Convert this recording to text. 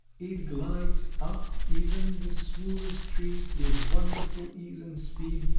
"It glides up even the smoothest trees with wonderful ease and speed.